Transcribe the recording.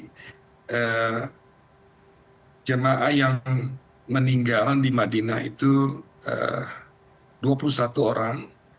jadi jemaah yang meninggal di madinah itu dua puluh satu orang